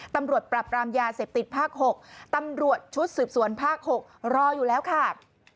ตำรวจปรับรามยาเสพติดภาค๖ตำรวจชุดสืบสวนภาค๖รออยู่แล้วค่ะ